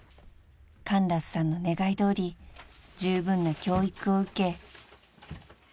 ［カンラスさんの願いどおりじゅうぶんな教育を受け］